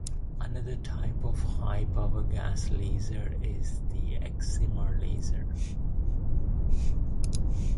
Another type of high power gas laser is the excimer laser.